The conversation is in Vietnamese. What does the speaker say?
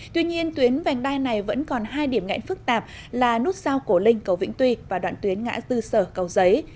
tuy nhiên tuyến vành đai này vẫn còn hai điểm nghẽn phức tạp là nút sao cổ linh cầu vĩnh tuy và đoạn tuyến ngã tư sở cầu giấy